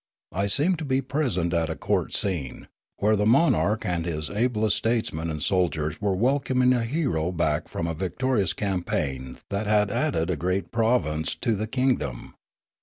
I seemed to be present at a court scene, where the monarch and his ablest statesmen and sol diers were welcoming a hero back from a victorious campaign that had added a great province to the kingdom.